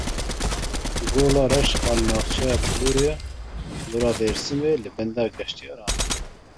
Gola Reş a li navçeya Pulura Dêrsimê li benda geştyaran e.